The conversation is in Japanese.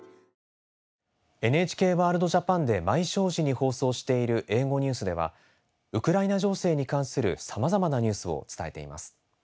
「ＮＨＫＷＯＲＬＤＪＡＰＡＮ」で毎正時に放送している英語ニュースではウクライナ情勢に関するさまざまなニュースを伝えています。